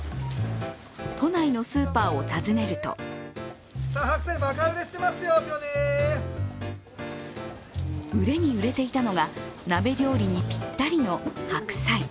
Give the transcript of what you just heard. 都内のスーパーを訪ねると売れに売れていたのが、鍋料理にぴったりの白菜。